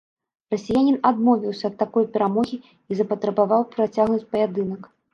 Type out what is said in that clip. Расіянін адмовіўся ад такой перамогі і запатрабаваў працягнуць паядынак.